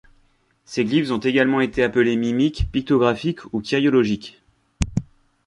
Ces glyphes ont également été appelés mimiques, pictographiques ou kyriologiques.